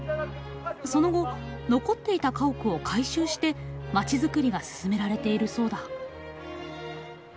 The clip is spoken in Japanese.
その後残っていた家屋を改修して街づくりが進められているそうだ。